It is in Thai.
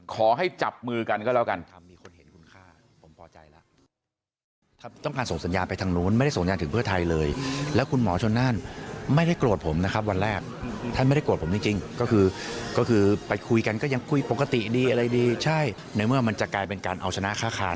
ขอให้จับมือกันก็แล้วกัน